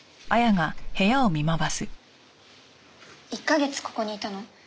１カ月ここにいたの？